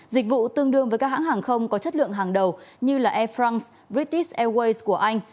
dịch vụ tương đương với các hãng hàng không có chất lượng hàng đầu như air france ritis airways của anh